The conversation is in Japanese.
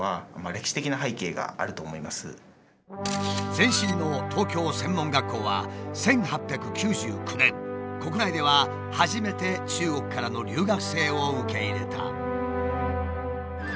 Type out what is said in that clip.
前身の東京専門学校は１８９９年国内では初めて中国からの留学生を受け入れた。